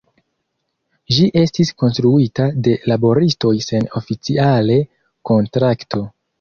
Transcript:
Ĝi estis konstruita de laboristoj sen oficiale kontrakto.